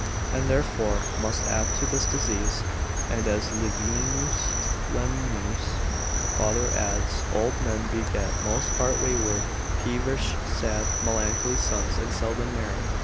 177, and therefore most apt to this disease; and as Levinus Lemnius farther adds, old men beget most part wayward, peevish, sad, melancholy sons, and seldom merry.